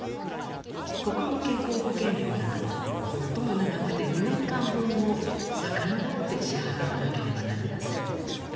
国民健康保険料などは最も長くて２年間分をさかのぼって支払わなければなりません